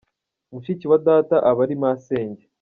Mushiki wa data aba ari masenge.